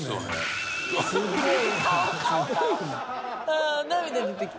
ああ。